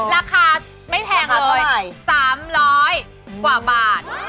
ราคาไม่แพงเลยสามร้อยกว่าบาท